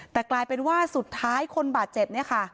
แต่กลายเป็นว่าสุดท้ายคนบาดเจ็บเนี่ยค่ะ